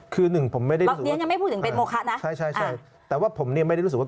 คือหนึ่งผมไม่ได้รู้สึกว่าใช่แต่ว่าผมไม่ได้รู้สึกว่า